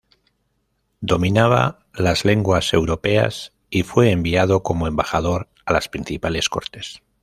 Dominaba las lenguas europeas y fue enviado como embajador a las principales cortes.